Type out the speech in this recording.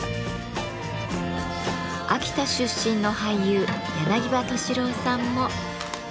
秋田出身の俳優柳葉敏郎さんも。